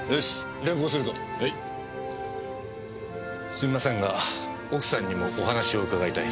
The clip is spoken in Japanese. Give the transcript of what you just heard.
すみませんが奥さんにもお話を伺いたい。